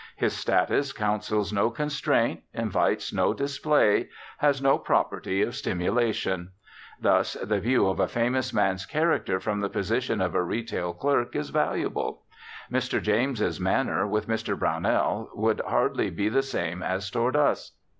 His status counsels no constraint, invites no display, has no property of stimulation. Thus the view of a famous man's character from the position of retail clerk is valuable. Mr. James's manner with Mr. Brownell would hardly be the same as toward us.